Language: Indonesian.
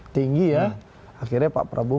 tinggi ya akhirnya pak prabowo